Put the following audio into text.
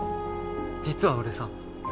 実は俺さ。